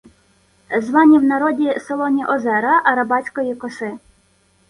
Звані в народі «солоні озера» Арабатської коси